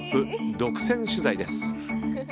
独占取材です。